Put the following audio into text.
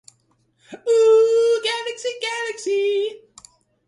The results were not bad.